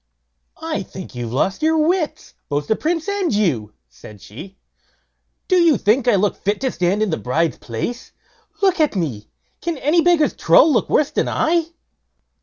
"I think you've lost your wits, both the Prince and you", said she. "Do you think I look fit to stand in the bride's place? look at me! Can any beggar's trull look worse than I?"